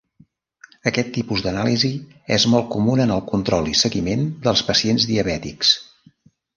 Aquest tipus d'anàlisi és molt comuna en el control i seguiment dels pacients diabètics.